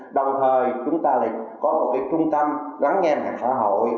đồng thời chúng ta lại có một trung tâm gắn nghe mạng xã hội